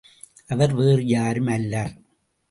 அவர் வேறு யாரும் அல்லர்.